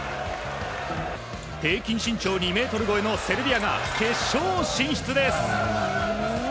平均身長２ｍ超えのセルビアが決勝進出です！